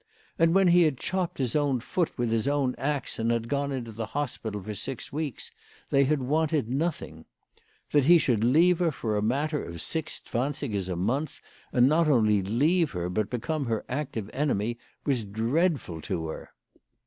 And when he had chopped his own foot with his own axe, and had gone into the hospital for six weeks, they had wanted nothing ! That he should leave her for a matter of six zwansigers a month, and not only leave her, but become her active enemy, was dreadful to her.